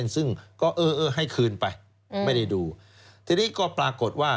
ซึ่งก็เออเออให้คืนไปไม่ได้ดูทีนี้ก็ปรากฏว่า